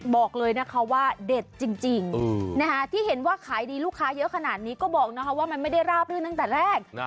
บอกเลยนะคะว่าเด็ดจริงที่เห็นว่าขายดีลูกค้าเยอะขนาดนี้ก็บอกนะคะว่ามันไม่ได้ราบรื่นตั้งแต่แรก